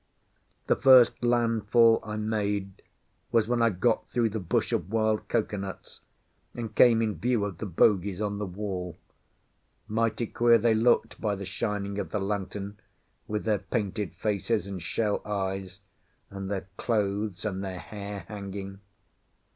The first landfall I made was when I got through the bush of wild cocoanuts, and came in view of the bogies on the wall. Mighty queer they looked by the shining of the lantern, with their painted faces and shell eyes, and their clothes and their hair hanging.